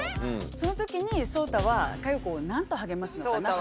その時に蒼汰は佳代子を何と励ますのかな？